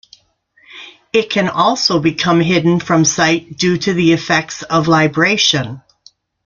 It can also become hidden from sight due to the effects of libration.